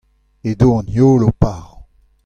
edo an heol o parañ.